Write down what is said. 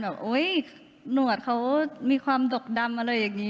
โอ๊ยหนวดเขามีความดกดำอะไรอย่างนี้